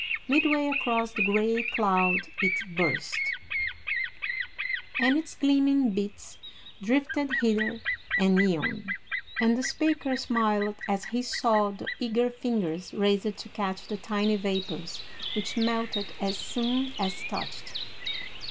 Midway across the gray cloud it burst, and its gleaming bits drifted hither and yon, and the speaker smiled as he saw the eager fingers raised to catch the tiny vapors which melted as soon as touched.